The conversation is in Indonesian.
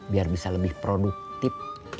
biar bisa lebih produktif